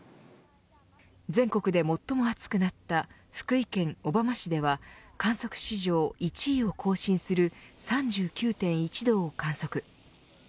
全国で最も暑くなった福井県小浜市では観測史上１位を更新する３９．１度を観測。